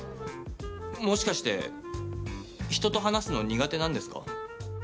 もしかして人と話すの苦手なんですか？